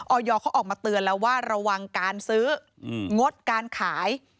อยเขาออกมาเตือนแล้วว่าระวังการซื้องดการขาย